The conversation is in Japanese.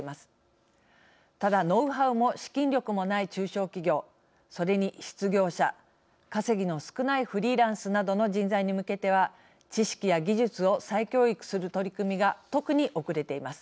ただノウハウも資金力もない中小企業それに失業者稼ぎの少ないフリーランスなどの人材に向けては知識や技術を再教育する取り組みが特に遅れています。